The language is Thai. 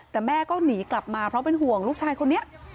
แต่แม่ก็หนีกลับมาเพราะเป็นห่วงลูกชายคนนี้